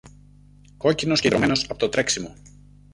κόκκινος και ιδρωμένος από το τρέξιμο.